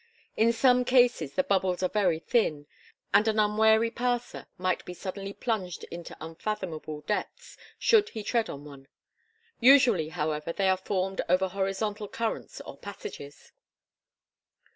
In some cases the bubbles are very thin; and an unwary passer might be suddenly plunged into unfathomable depths should he tread on one. Usually, however, they are formed over horizontal currents or passages.